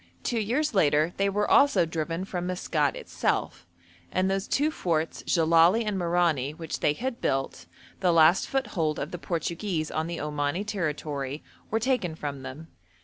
Two years later they were also driven from Maskat itself, and those two forts Jellali and Merani which they had built, the last foothold of the Portuguese on the Omani territory, were taken from them.